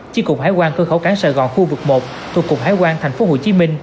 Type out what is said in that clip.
chi cục hải quan cơ khẩu cán sài gòn khu vực một thuộc cục hải quan tp hcm